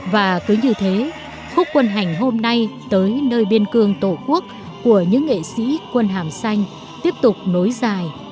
và cứ như thế khúc quân hành hôm nay tới nơi biên cương tổ quốc của những nghệ sĩ quân hàm xanh tiếp tục nối dài